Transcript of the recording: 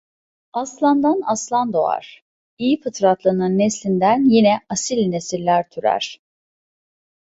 Aslandan aslan doğar! İyi fıtratlının neslinden yine asil nesiller türer.